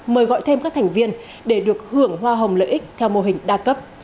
mời gọi thêm các thành viên để được hưởng hoa hồng lợi ích theo mô hình đa cấp